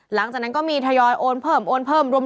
หลังจากนั้นก็มีทยอยโอนเพิ่มโอนเพิ่มรวม